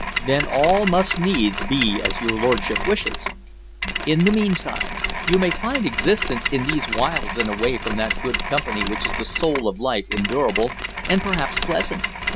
Then all must needs be as your lordship wishes. In the meantime, you may find existence in these wilds and away from that good company which is the soul of life endurable, and perhaps pleasant.